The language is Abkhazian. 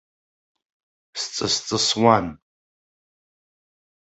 Сҵыс-ҵысуан.